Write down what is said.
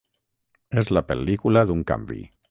És la pel·lícula d’un canvi.